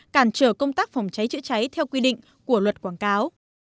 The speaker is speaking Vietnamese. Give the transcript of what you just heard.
cản trở công tác phòng cháy chữa cháy theo quy định của luật quảng cáo